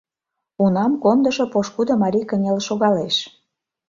Унам кондышо пошкудо марий кынел шогалеш.